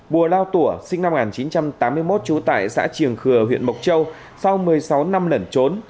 bùa lao tủa sinh năm một nghìn chín trăm tám mươi một trú tại xã triềng khừa huyện mộc châu sau một mươi sáu năm lẩn trốn